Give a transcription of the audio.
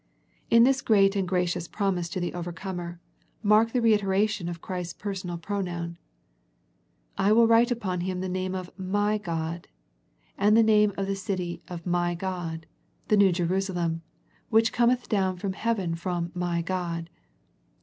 In this great and gracious promise to the overcomer, mark the reiteration of Christ's personal pronoun. *' I will write upon Him the name of My God, and the name of the city of My God, the new Jerusalem, which cometh down out of heaven from My God."